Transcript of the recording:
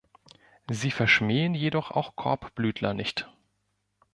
Sie verschmähen jedoch auch Korbblütler nicht.